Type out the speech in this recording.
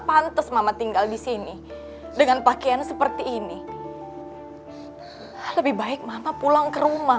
pantes mama tinggal di sini dengan pakaian seperti ini lebih baik mama pulang ke rumah